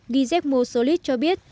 gizek mosulis cho biết